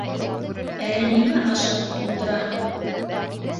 Әле нимә ашатып ултыраһың?